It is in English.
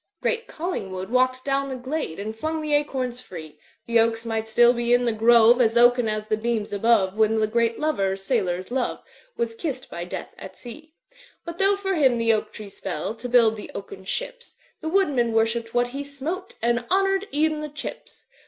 "Great CoUingwood walked down the glade And flung the acorns free. That oaks might still be in the grove As oaken as the beams above When the great Lover sailors love Was kissed by Death at sea. ^, Digitized by LjOOQIC THE MARCH ON IVYWOOD 299 "But though for him the oak trees fell To build the oaken ships. The woodmaa worshipped what he smote And honoured even the chips.